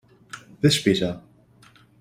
Bis später!